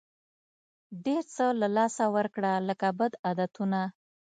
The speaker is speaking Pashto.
ډېر څه له لاسه ورکړه لکه بد عادتونه.